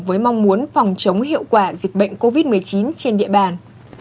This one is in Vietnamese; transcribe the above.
với mong muốn phòng chống hiệu quả dịch bệnh covid một mươi chín trên địa bàn